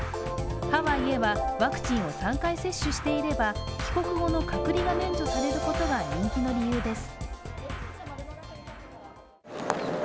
ハワイへはワクチンを３回接種していれば、帰国後の隔離が免除されることが人気の理由です。